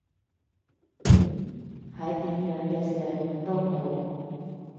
喺點樣嘅社會都好